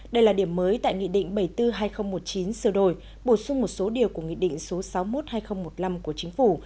đây là điểm mới tại nghị định bảy trăm bốn mươi hai nghìn một mươi chín sửa đổi bổ sung một số điều của nghị định số sáu mươi một hai nghìn một mươi năm của chính phủ